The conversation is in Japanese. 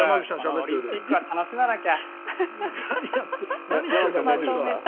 オリンピックは楽しまなきゃ。